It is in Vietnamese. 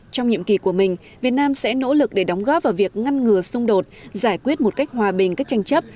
trong nhiệm kỳ của mình việt nam sẽ nỗ lực để đóng góp vào việc ngăn ngừa xung đột giải quyết một cách hòa bình các tranh chấp